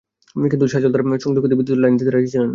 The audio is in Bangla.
কিন্তু সাজল তাঁর সংযোগ থেকে বিদ্যুতের লাইন দিতে রাজি ছিলেন না।